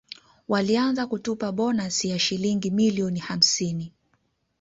Walianza kutupa bonasi ya Shilingi milioni hamsini